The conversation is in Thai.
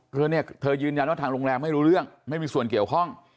คือเนี่ยเธอยืนยันว่าทางโรงแรมไม่รู้เรื่องไม่มีส่วนเกี่ยวข้อง